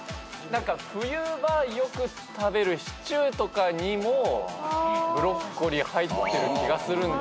冬場よく食べるシチューとかにもブロッコリー入ってる気がするんで。